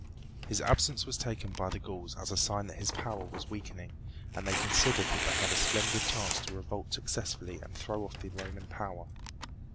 His absence was taken by the Gauls as a sign that his power was weakening, and they considered that they had a splendid chance to revolt successfully and throw off the Roman power.